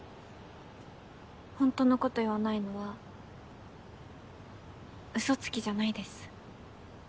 ほんとのこと言わないのはうそつきじゃないです。